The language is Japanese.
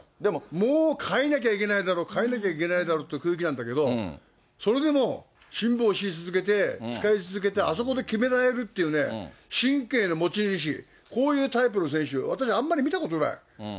もう変えなきゃいけないだろう、変えなきゃいけないだろうって空気なんだけど、それでも辛抱し続けて、使い続けてあそこで決められるっていうね、神経の持ち主、こういうタイプの選手、私、あんまり見たことない。